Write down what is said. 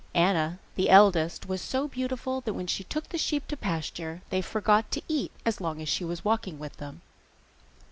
Anna, the eldest, was so beautiful that when she took the sheep to pasture they forgot to eat as long as she was walking with them.